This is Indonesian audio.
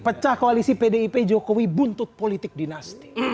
pecah koalisi pdip jokowi buntut politik dinasti